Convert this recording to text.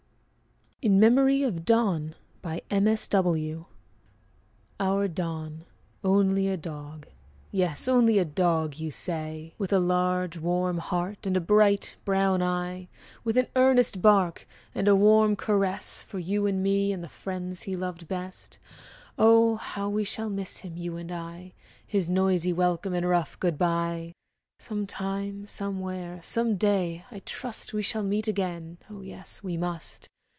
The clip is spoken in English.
IN MEMORY OF "DON" Our Don only a dog! Yes, only a dog, you say; With a large, warm heart, And a bright, brown eye, With an earnest bark And a warm caress For you and me and The friends he loved best. Oh, how we shall Miss him, you and I, His noisy welcome, and Rough good bye! Some time, somewhere, Some day, I trust, We shall meet again; Oh, yes, we must!